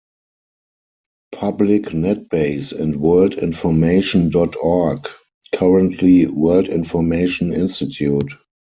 Public Netbase and World-Information.Org, currently: World-Information Institute.